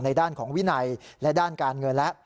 ด้านของวินัยและด้านการเงินแล้ว